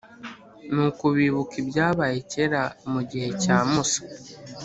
nuko bibuka ibyabaye kera mu gihe cya musa: